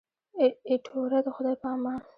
ایټوره د خدای په امان.